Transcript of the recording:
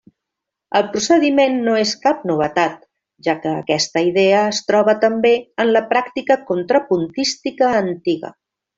El procediment no és cap novetat, ja que aquesta idea es troba també en la pràctica contrapuntística antiga.